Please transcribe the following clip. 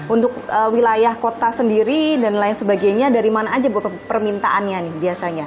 untuk wilayah kota sendiri dan lain sebagainya dari mana aja bu permintaannya nih biasanya